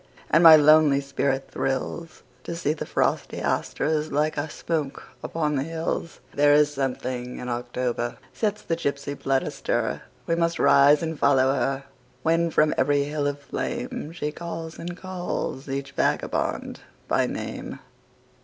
And my lonely spirit thrillsTo see the frosty asters like a smoke upon the hills. There is something in October sets the gypsy blood astir; We must rise and follow her, When from every hill of flameShe calls and calls each vagabond by name.